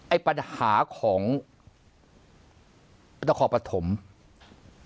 ไอ้ปัญหาของนักศึกษาพนักศึกษาทองศูนย์